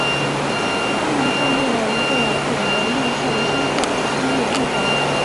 他们建立了一个给人印象深刻的商业帝国。